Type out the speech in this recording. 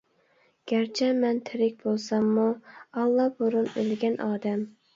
گەرچە مەن تىرىك بولساممۇ ئاللا بۇرۇن ئۆلگەن ئادەم.